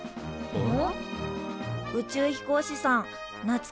うん！